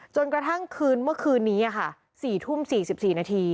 จนกระทั่งเมื่อคืนนี้๔๔๕น